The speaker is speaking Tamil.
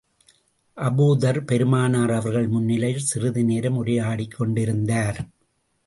அபூ தர், பெருமானார் அவர்கள் முன்னிலையில் சிறிது நேரம் உரையாடிக் கொண்டிருந்தார்.